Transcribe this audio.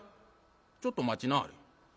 ちょっと待ちなはれ。